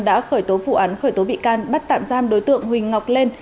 đã khởi tố vụ án khởi tố bị can bắt tạm giam đối tượng huỳnh ngọc lên